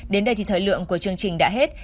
đến đây thì thời lượng của chương trình đã hết